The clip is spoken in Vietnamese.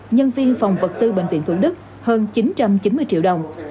nhân viên phòng vật tư bệnh viện thủ đức hơn chín trăm chín mươi triệu đồng